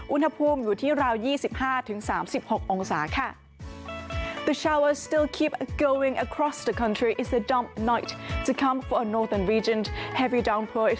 อุณหภูมิอยู่ที่ราว๒๕๓๖องศาค่ะ